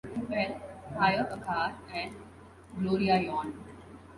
"Well, hire a car, and —" Gloria yawned.